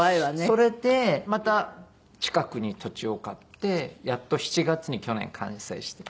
それでまた近くに土地を買ってやっと７月に去年完成して。